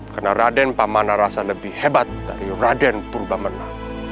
karena raden pamanah rasa lebih hebat dari raden purbamana